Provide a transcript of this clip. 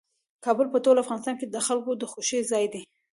کابل په ټول افغانستان کې د خلکو د خوښې ځای دی.